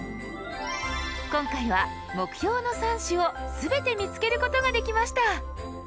今回は目標の３種を全て見つけることができました。